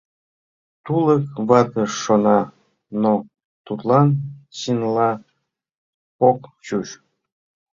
Тулык вате шона, но тудлан чынла ок чуч.